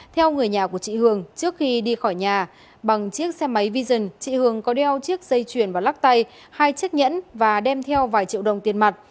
theo người nhà của chị hường trước khi đi khỏi nhà bằng chiếc xe máy vision chị hường có đeo chiếc dây chuyền và lắc tay hai chiếc nhẫn và đem theo vài triệu đồng tiền mặt